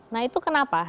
nah itu kenapa